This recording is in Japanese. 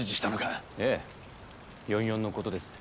ええ４４の事です。